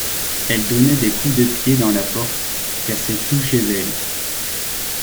Elle donnait des coups de pied dans la porte, cassait tout chez elle.